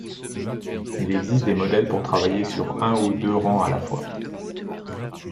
Il existe des modèles pour travailler sur un ou deux rangs à la fois.